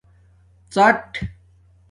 ڎَٹ